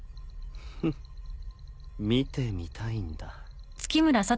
フッ見てみたいんだ。